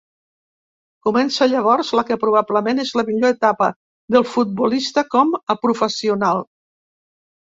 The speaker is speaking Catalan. Comença llavors la que probablement és la millor etapa del futbolista com a professional.